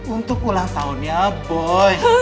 untuk ulang tahun ya boy